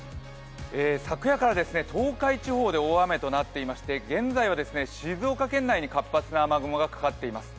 昨夜から東海地方で大雨となっていまして、現在は静岡県内に活発な雨雲がかかっています。